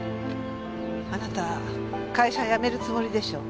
あなた会社辞めるつもりでしょう。